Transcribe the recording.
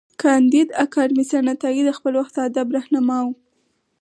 کانديد اکاډميسن عطايي د خپل وخت د ادب رهنما و.